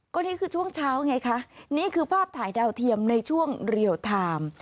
ก็นี่คือช่วงเช้าไงคะนี่คือภาพถ่ายดาวเทียมในช่วงเรียลไทม์